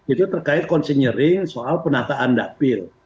itu terkait konsinyering soal penataan dapil